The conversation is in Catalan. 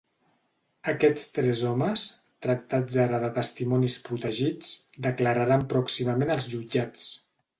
Aquests tres homes, tractats ara de testimonis protegits, declararan pròximament als jutjats.